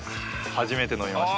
初めて飲みました。